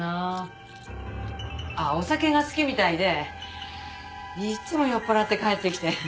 あっお酒が好きみたいでいつも酔っ払って帰ってきて。